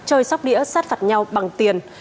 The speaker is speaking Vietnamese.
chơi sóc đĩa sát phạt nhau bằng tiền